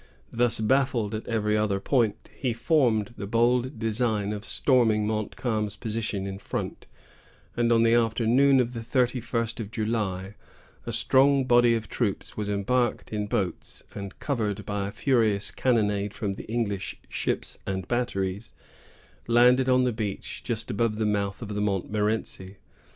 Thus baffled at every other point, he formed the bold design of storming Montcalm's position in front; and on the afternoon of the thirty first of July, a strong body of troops was embarked in boats, and, covered by a furious cannonade from the English ships and batteries, landed on the beach just above the mouth of the Montmorenci.